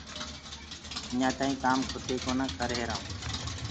اجآنٚ تآئيٚنٚ ڪآم کٽي ڪونآ ڪرريهرآئونٚ